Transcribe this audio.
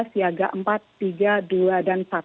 siaga empat tiga dua dan satu